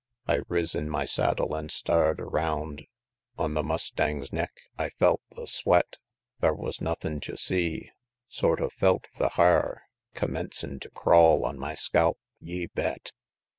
XXIII. I riz in my saddle an' star'd around On the mustang's neck I felt the sweat; Thar wus nuthin' tew see sort of felt the har Commencin' tew crawl on my scalp, ye bet!